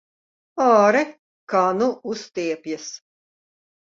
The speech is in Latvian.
Āre, kā nu uztiepjas!